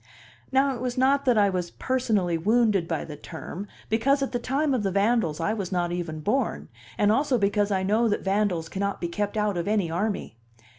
Now it was not that I was personally wounded by the term, because at the time of the vandals I was not even born, and also because I know that vandals cannot be kept out of any army.